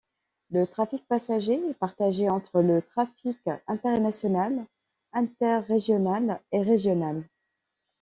Le trafic passager est partagé entre le trafic international, interrégional, et régional.